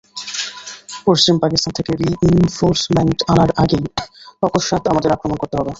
পশ্চিম পকিস্তান থেকে রিইনফোর্সমেন্ট আনার আগেই অকস্মাৎ আমাদের আক্রমণ করতে হবে।